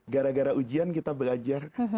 gara gara ujian kita belajar